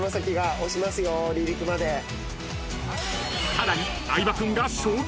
［さらに］